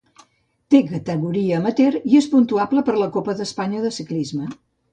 Té categoria amateur i és puntuable per la Copa d'Espanya de ciclisme.